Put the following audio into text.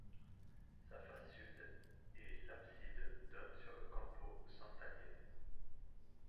Sa face sud et l'abside donnent sur le Campo Sant'Agnese.